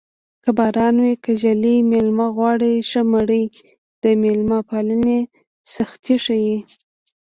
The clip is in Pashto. که باران وي که ږلۍ مېلمه غواړي ښه مړۍ د مېلمه پالنې سختي ښيي